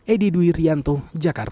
edy dwi rianto jakarta